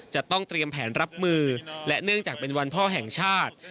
จะต้องเตรียมแผนรับมือและเนื่องจากเป็นวันพ่อแห่งชาติ